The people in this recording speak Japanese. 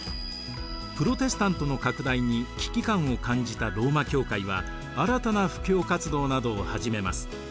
プロテスタントの拡大に危機感を感じたローマ教会は新たな布教活動などを始めます。